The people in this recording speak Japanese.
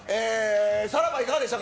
さらば、いかがでしたか。